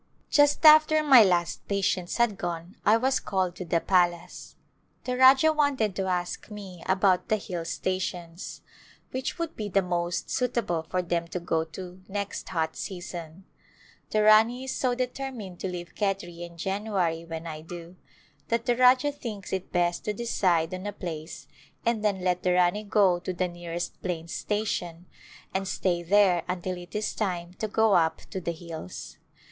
Just after my last patient had gone I was called to the palace. The Rajah wanted to ask me about the hill stations, which would be the most suitable for them to go to next hot season. The Rani is so de termined to leave Khetri in January when I do that the Rajah thinks it best to decide on a place and then let the Rani go to the nearest plains station and stay there until it is time to go up to the hills.